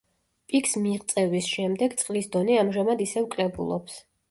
პიკს მიღწევის შემდეგ წყლის დონე ამჟამად ისევ კლებულობს.